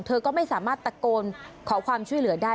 เธอก็ไม่สามารถตะโกนขอความช่วยเหลือได้